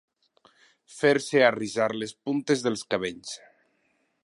Fer-se arrissar les puntes dels cabells.